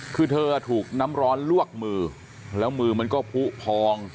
คือเธอถูกน้ำร้อนลวกมือแล้วมือมันก็ผู้พอง